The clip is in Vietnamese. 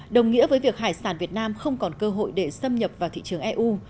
đồng nghĩa với việc hải sản việt nam không còn cơ hội để xâm nhập vào thị trường eu